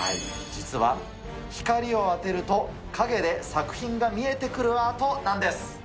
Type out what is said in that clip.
実は、光を当てると、影で作品が見えてくるアートなんです。